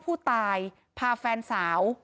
ผู้ตายพาแฟนสาว